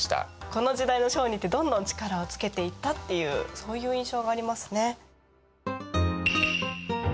この時代の商人ってどんどん力をつけていったっていうそういう印象がありますね。